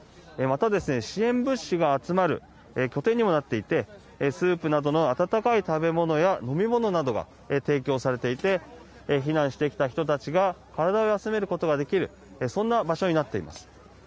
また、支援物資が集まる拠点にもなっていてスープなどの温かい食べ物や飲み物などが提供されていて避難してきた人たちが体を休めることができるそんな場所になっています。